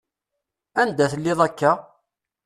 Anda telliḍ akka?